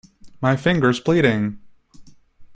My finger’s bleeding!